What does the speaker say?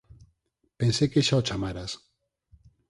Pensei que xa o chamaras.